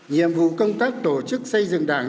nhiệm vụ công tác tổ chức xây dựng đảng